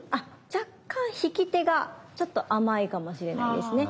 若干引き手がちょっと甘いかもしれないですね。